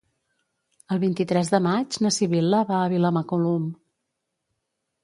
El vint-i-tres de maig na Sibil·la va a Vilamacolum.